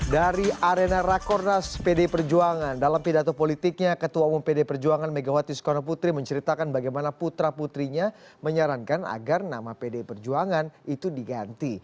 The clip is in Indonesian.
dari arena rakornas pdi perjuangan dalam pidato politiknya ketua umum pd perjuangan megawati soekarno putri menceritakan bagaimana putra putrinya menyarankan agar nama pdi perjuangan itu diganti